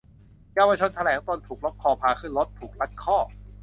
เยาวชนแถลงตนถูกล็อกคอพาขึ้นรถ-ถูกรัดข้อ